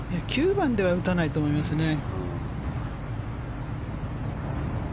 ９番では打たないと思いますね。